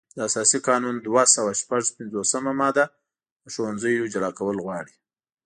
د اساسي قانون دوه سوه شپږ پنځوسمه ماده د ښوونځیو جلا کول غواړي.